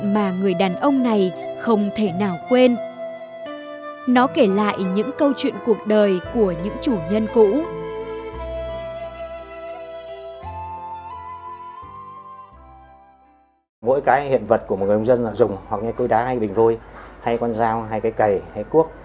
bà ngồi bên cạnh bà rao uống hay nước cơm hạnh phúc vui vẻ hạnh phúc